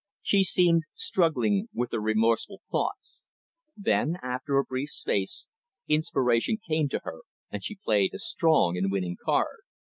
She seemed struggling with her remorseful thoughts. Then, after a brief space, inspiration came to her, and she played a strong and winning card.